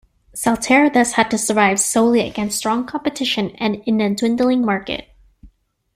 Saltair thus had to survive solely against strong competition, and in a dwindling market.